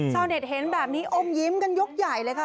ชาวเน็ตเห็นแบบนี้อมยิ้มกันยกใหญ่เลยค่ะ